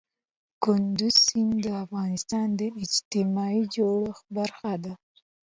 کندز سیند د افغانستان د اجتماعي جوړښت برخه ده.